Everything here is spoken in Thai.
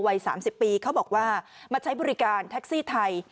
วัย๓๐ปีเขาบอกว่ามาใช้บริการแท็กซี่ไทย